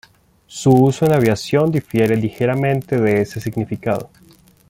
Su uso en aviación difiere ligeramente de ese significado.